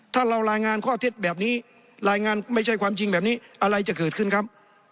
ถ้าเรารายงานข้อเท็จจริงแบบนี้รายงานไม่ใช่ความจริงแบบนี้อะไรจะเกิดขึ้นครับ